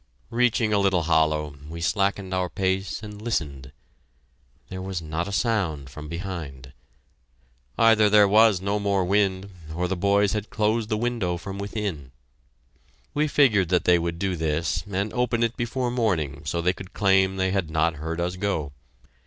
Reaching a little hollow, we slackened our pace and listened. There was not a sound from behind. Either there was no more wind, or the boys had closed the window from within. We figured that they would do this, and open it before morning so they could claim they had not heard us go.